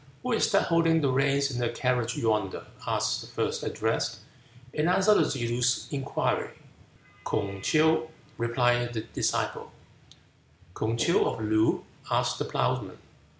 "Who is that holding the reins in the carriage yonder?" asked the first addressed, in answer to Tsze loo's inquiry. "Kung Kew," replied the disciple, "Kung Kew, of Loo?" asked the ploughman.